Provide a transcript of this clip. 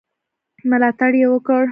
ملاتړ یې وکړ.